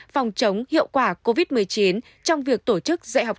phòng chống hiệu quả covid một mươi chín trong việc tổ chức dạy học